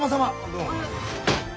どうも。